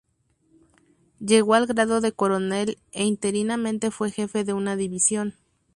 Llegó al grado de coronel e interinamente fue jefe de una división.